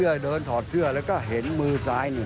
เขาเดินสอบเจือเขาเห็นมือซ้าย